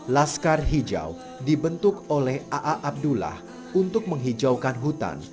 laskar hijau dibentuk oleh aa abdullah untuk menghijaukan hutan